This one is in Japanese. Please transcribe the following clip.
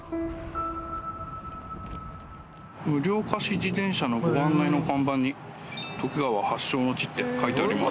無料貸し自転車のご案内の看板に「徳川発祥の地」って書いてあります。